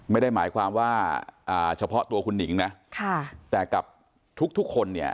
ไม่ได้หมายความว่าเฉพาะตัวคุณหนิงนะแต่กับทุกคนเนี่ย